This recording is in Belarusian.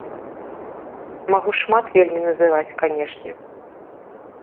Магу шмат вельмі называць, канечне.